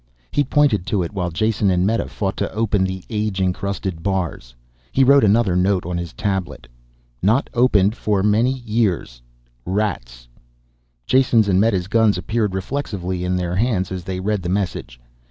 He pointed to it. While Jason and Meta fought to open the age incrusted bars, he wrote another note on his tablet. not opened for many years, rats Jason's and Meta's guns appeared reflexively in their hands as they read the message.